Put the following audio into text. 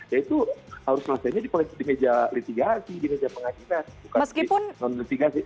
ya itu harus selesainya di meja litigasi di meja pengadilan bukan di non litigasi